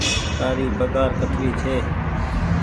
تآري پگهآر ڪتري ڇي۔